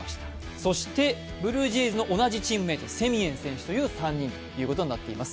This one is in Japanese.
そしてブルージェイズの同じチームの選手、セミエン選手も候補になっています。